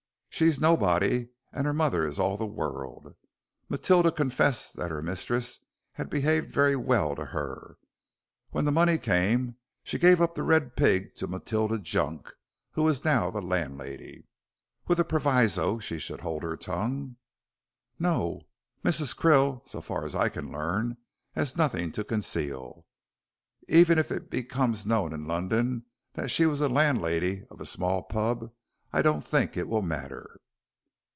She's nobody and her mother is all the world. Matilda confessed that her mistress had behaved very well to her. When the money came, she gave up 'The Red Pig' to Matilda Junk, who is now the landlady." "With a proviso she should hold her tongue." "No. Mrs. Krill, so far as I can learn, has nothing to conceal. Even if it becomes known in London that she was the landlady of a small pub, I don't think it will matter."